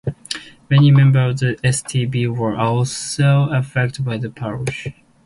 Many members of the StB were also affected by the purges.